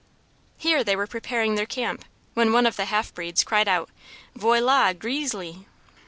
Here they were preparing their camp, when one of the half breeds cried out, "Voila Greezly!"